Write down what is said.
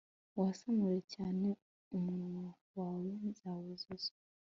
wasamure cyane umunwa wawe, nzawuzuza